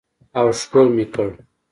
او ښکل مې کړ.